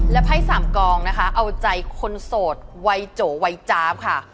และไพ่สามกองนะคะเอาใจคนโสดวัยโจวัยจ๊าบค่ะ